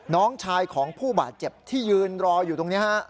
น้องชายของผู้บาดเจ็บที่ยืนรออยู่ตรงนี้ฮะ